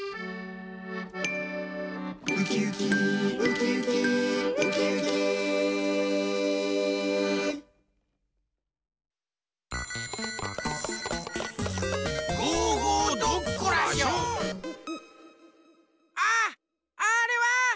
ウキウキウキウキウキウキあっあれは！